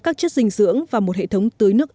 các chất dinh dưỡng và một hệ thống tưới nước